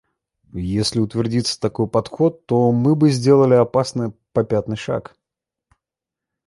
Если утвердится такой подход, то мы бы сделали опасный попятный шаг.